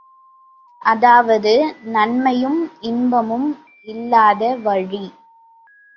அதாவது நன்மையும் இன்பமும் இல்லாத வழி.